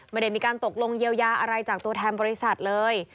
ไม่ได้มีการตกลงเยียวยาอะไรจากตัวแทนบริษัทเลย